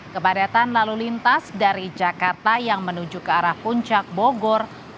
kepadatan lalu lintas dari jakarta yang menuju ke arah puncak bogor